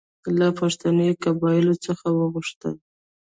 له پښتني قبایلو څخه وغوښتل.